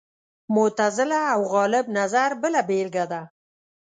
معتزله او غالب نظر بله بېلګه ده